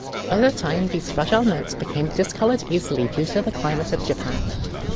Over time these fragile notes became discolored easily due to the climate of Japan.